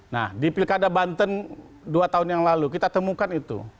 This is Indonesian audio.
nah di pilkada banten dua tahun yang lalu kita temukan itu